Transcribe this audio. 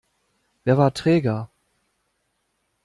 Wer war träger?